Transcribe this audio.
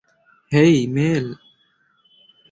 হেই, mail.